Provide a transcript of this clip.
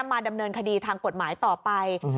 มาดำเนินคดีทางกฎหมายต่อไป